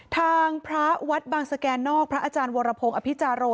ทางพระวัดบางสแกนนอกพระอาจารย์วรพงศ์อภิจาโร